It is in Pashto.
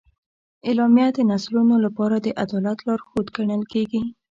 اعلامیه د نسلونو لپاره د عدالت لارښود ګڼل کېږي.